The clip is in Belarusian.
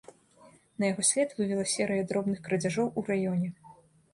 На яго след вывела серыя дробных крадзяжоў у раёне.